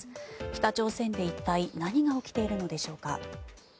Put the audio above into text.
北朝鮮で一体、何が起きているのでしょうか。